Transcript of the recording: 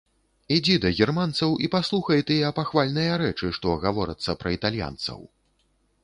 Ідзі да германцаў і паслухай тыя пахвальныя рэчы, што гаворацца пра італьянцаў!